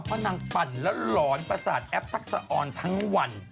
เพราะนางปั่นแล้วหลอนประสาทแอปทักษะออนทั้งวัน